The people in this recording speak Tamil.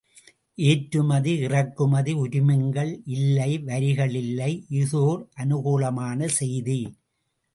ஏற்றுமதி, இறக்குமதி உரிமங்கள் இல்லை வரிகள் இல்லை, இஃதோர் அனுகூலமான செய்தி.